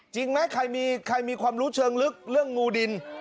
จริงไหมใครมีความรู้เชิงลึกเรื่องงูดิน